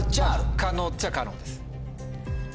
可能っちゃ可能です。